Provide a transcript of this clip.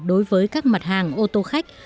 đối với các mặt hàng ô tô khách